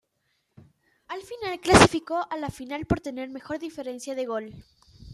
Al final clasificó a la final por tener mejor diferencia de gol.